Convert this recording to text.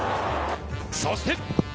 そして。